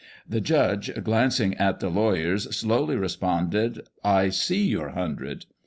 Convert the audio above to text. The judge, glanc ing at the lawyers, slowly responded, "I see your hundred."